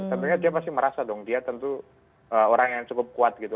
tapi dia pasti merasa dong dia tentu orang yang cukup kuat gitu